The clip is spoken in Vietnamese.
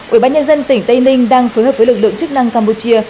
ủy ban nhân dân tỉnh tây ninh đang phối hợp với lực lượng chức năng campuchia